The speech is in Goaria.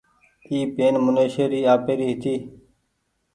اي پين منيشي ري آپيري هيتي۔